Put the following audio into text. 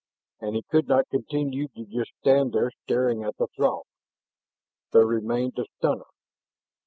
And he could not continue to just stand there staring at the Throg. There remained the stunner.